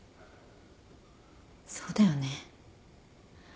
そうだよね。